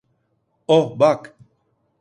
Oh, bak!